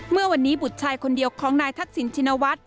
เมื่อวันนี้บุตรชายคนเดียวของนายทักษิณชินวัฒน์